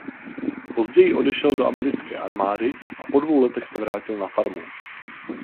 Později odešel do americké armády a po dvou letech se vrátil na farmu.